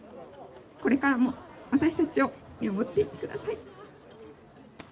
これからも私たちを見守っていて下さい」。